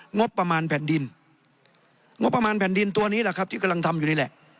งบประมาณแผ่นดินงบประมาณแผ่นดินตัวนี้แหละครับที่กำลังทำอยู่นี่แหละ